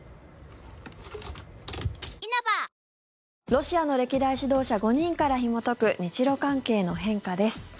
ロシアの歴代指導者５人からひもとく日ロ関係の変化です。